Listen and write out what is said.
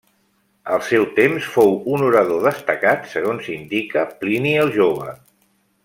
Al seu temps fou un orador destacat segons indica Plini el jove.